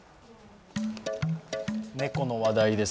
猫の話題です。